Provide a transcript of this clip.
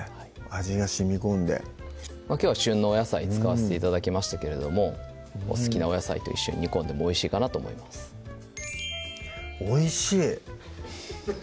味がしみこんできょうは旬のお野菜使わせて頂きましたけれどもお好きなお野菜と一緒に煮込んでもおいしいかなと思いますおいしい！